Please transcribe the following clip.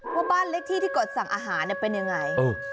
ว่าบ้านเลขที่ที่กดสั่งอาหารเป็นยังไง